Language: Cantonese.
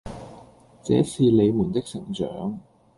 這是你們的成長